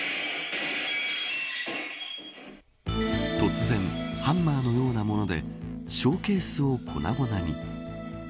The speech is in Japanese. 突然、ハンマーのようなものでショーケースを粉々に。